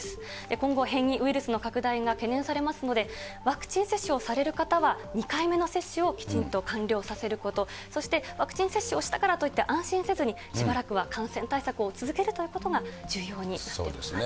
今後、変異ウイルスの拡大が懸念されますので、ワクチン接種をされる方は、２回目の接種をきちんと完了させること、そしてワクチン接種をしたからといって安心せずに、しばらくは感染対策を続けるということが重要になってきます。